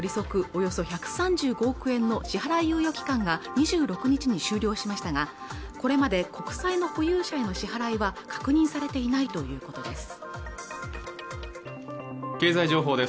およそ１３５億円の支払い猶予期間が２６日に終了しましたがこれまで国債の保有者への支払いは確認されていないということです